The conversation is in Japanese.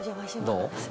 どう？